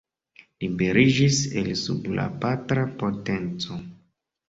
Liberiĝis el sub la patra potenco.